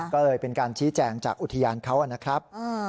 ก็เลยเป็นการชี้แจงจากอุทยานเขานะครับ